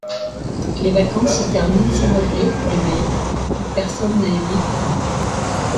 Les vacances se terminent sans regret pour les Mahé, car personne n'a aimé Porquerolles.